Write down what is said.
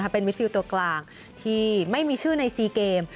เป็นวิทธิ์ฟิวตัวกลางที่ไม่มีชื่อในซีเกม